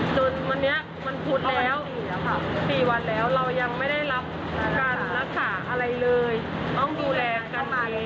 จนวันนี้วันพุธแล้ว๔วันแล้วเรายังไม่ได้รับการรักษาอะไรเลยต้องดูแลกันใหม่